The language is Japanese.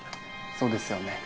そうですよね。